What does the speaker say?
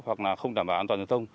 hoặc là không đảm bảo an toàn dân thông